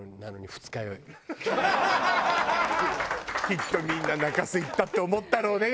きっとみんな中洲行ったって思ったろうね